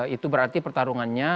itu berarti pertarungannya